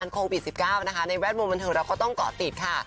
โควิด๑๙นะคะในแวดวงบันเทิงเราก็ต้องเกาะติดค่ะ